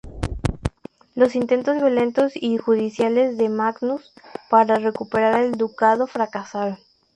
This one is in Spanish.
Los intentos violentos y judiciales de Magnus para recuperar el ducado fracasaron.